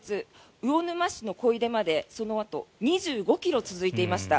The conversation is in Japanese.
魚沼市の小出までそのあと２５ｋｍ続いていました。